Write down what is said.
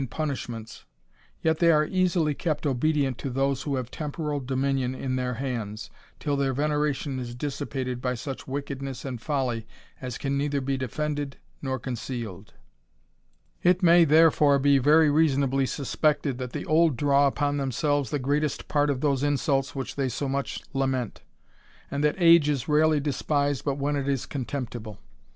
punishments, yet they are easily kept obedient to those who have temporal dominion in their hands, till their veneration is dissipated by such wickedness and folly as can neither be defended nor concealed. It may, therefore, very reasonably be suspected that the old draw upon themselves the greatest part of those insults which they so much lament, and that age is rarely despised but when it is contemptible.